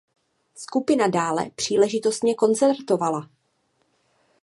Skupina dále příležitostně koncertovala.